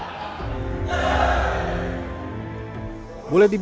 boleh dibilang materi pendidikan custom in laborator